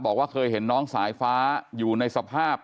บอกว่าเคยเห็นน้องสายฟ้าอยู่ในสภาพ